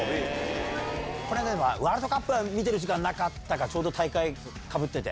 こないだのワールドカップ見る時間はなかったか、ちょうど大会かぶってて。